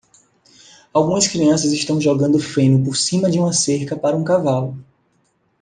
Algumas crianças estão jogando feno por cima de uma cerca para um cavalo.